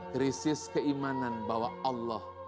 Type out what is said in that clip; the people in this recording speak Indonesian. krisis keimanan bahwa allah